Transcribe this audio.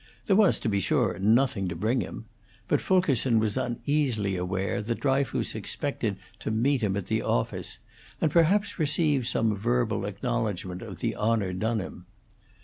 There was, to be sure, nothing to bring him; but Fulkerson was uneasily aware that Dryfoos expected to meet him at the office, and perhaps receive some verbal acknowledgment of the honor done him.